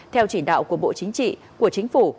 theo chỉ đạo của bộ chính trị